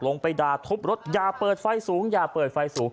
ลงไปด่าทบรถอย่าเปิดไฟสูงอย่าเปิดไฟสูง